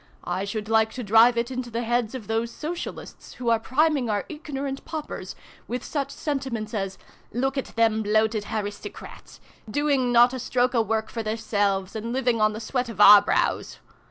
I should like to drive it into the heads of those Socialists who are priming our ignorant paupers with such sentiments as ' Look at them bloated haristocrats ! Doing not a stroke o' work for theirselves, and living on the sweat of our brows